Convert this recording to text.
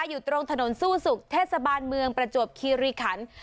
อยู่ตรงถนนสู้สุขเทศบาลเมืองประจวบคีริขัน